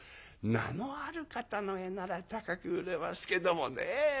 名のある方の絵なら高く売れますけどもねえ